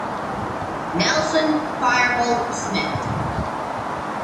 Nelson "Fireball" Smith.